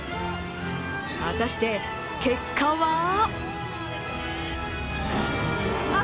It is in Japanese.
果たして結果は？